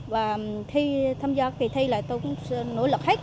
và khi tham gia kỳ thi là tôi cũng nỗ lực hết